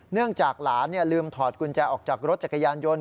เนื่องจากหลานลืมถอดกุญแจออกจากรถจักรยานยนต์